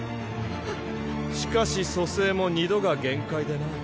しかし蘇生も２度が限界でな。